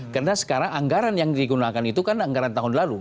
karena sekarang anggaran yang digunakan itu kan anggaran tahun lalu